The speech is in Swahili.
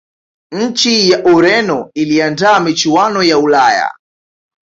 nchi ya ureno iliandaa michuano ya ulaya